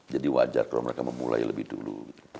jadi wajar kalau mereka memulai lebih dulu